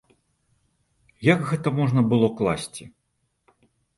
Як гэта можна было класці?